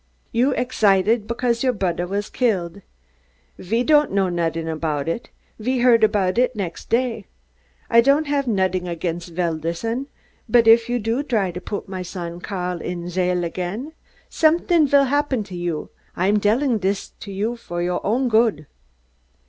You're egsited, because your brodder vas gilled. Ve don't know nodding aboud it. Ve heard aboud it de nexd day. I don'd have nodding against Velderson, bud if you dry to pud my son, Karl, in chail again, someding vill happen to you. I'm delling dis to you vor your own good."